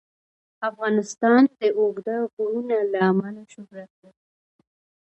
افغانستان د اوږده غرونه له امله شهرت لري.